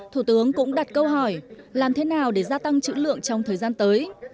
thủ tướng cũng đặt câu hỏi làm thế nào để gia tăng chữ lượng trong thời gian tới